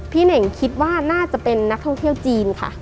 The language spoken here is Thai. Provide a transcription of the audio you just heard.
เน่งคิดว่าน่าจะเป็นนักท่องเที่ยวจีนค่ะ